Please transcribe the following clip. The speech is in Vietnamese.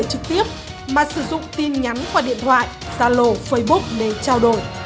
trực tiếp mà sử dụng tin nhắn qua điện thoại gia lộ facebook để trao đổi